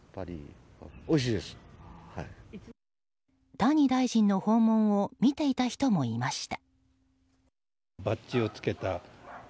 谷大臣の訪問を見ていた人もいました。